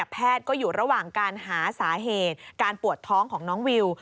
แพทย์ก็อยู่ระหว่างการหาสาเหตุการปวดท้องของน้องวิว